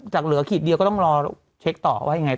จากเหลืออาทิตย์เดียวก็ต้องรอเช็กต่อว่าอย่างไร